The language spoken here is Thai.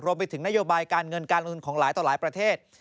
นโยบายการเงินการลงทุนของหลายต่อหลายประเทศ